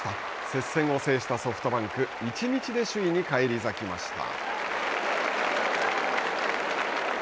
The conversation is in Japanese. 接戦を制したソフトバンク１日で首位に返り咲きました。